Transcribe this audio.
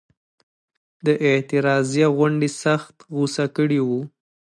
د اعتراضیه غونډې سخت غوسه کړي وو.